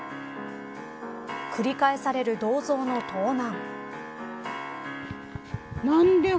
繰り返される銅像の盗難。